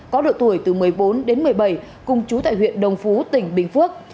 có độ tuổi từ một mươi bốn đến một mươi bảy cùng chú tại huyện đồng phú tỉnh bình phước